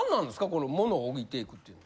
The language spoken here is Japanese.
この物を置いてくっていうのは。